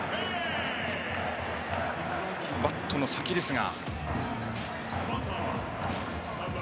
バットの先ですが。